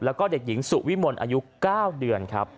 และเด็กหญิงสุวิหมลอายุ๙เดือน